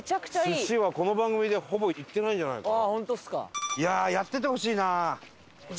寿司はこの番組ではほぼ行ってないんじゃないかな。